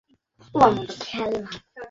এখন আমরা এমন ইঁদুর খুঁজতে চলেছি যে শেভ করে।